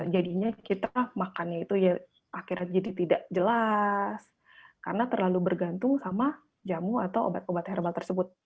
jadinya kita makannya itu ya akhirnya jadi tidak jelas karena terlalu bergantung sama jamu atau obat obat herbal tersebut